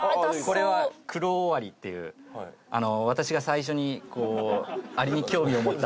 これはクロオオアリっていう私が最初にアリに興味を持った。